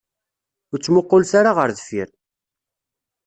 Ur ttmuqqulet ara ɣer deffir.